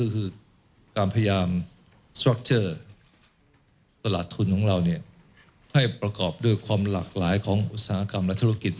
ให้ประกอบด้วยความหลากหลายของอุตสาหกรรมและธุรกิจ